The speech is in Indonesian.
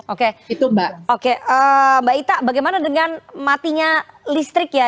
oke mbak ita bagaimana dengan matinya listrik ya